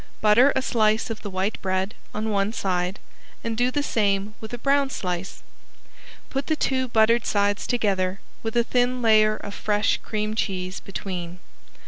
Butter a slice of the white bread on one side and do the same with a brown slice. Put the two buttered sides together with a thin layer of fresh cream cheese between.